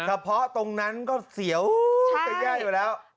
สัญญาเฉพาะตรงนั้นก็เสียวย้ายอยู่แล้ว